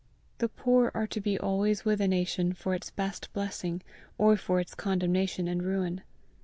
The poor are to be always with a nation for its best blessing, or for its condemnation and ruin.